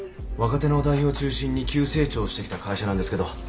若手の代表を中心に急成長してきた会社なんですけど。